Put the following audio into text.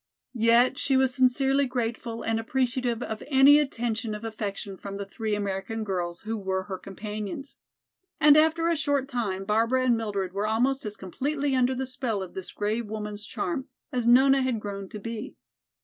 Yet she was sincerely grateful and appreciative of any attention of affection from the three American girls who were her companions. And after a short time Barbara and Mildred were almost as completely under the spell of this grave woman's charm, as Nona had grown to be.